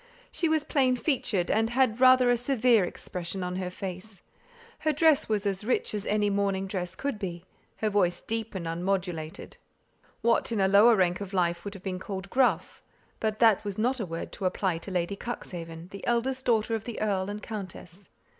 She was plain featured, and had rather a severe expression on her face; her dress was as rich as any morning dress could be; her voice deep and unmodulated, what in a lower rank of life would have been called gruff; but that was not a word to apply to Lady Cuxhaven, the eldest daughter of the earl and countess.